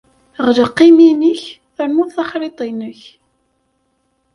Ɣleq imi-nnek ternuḍ taxriḍt-nnek.